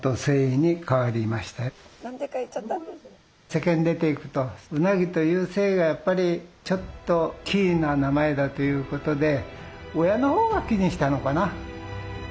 世間に出ていくと鰻という姓がやっぱりちょっと奇異な名前だということで親の方が気にしたのかな。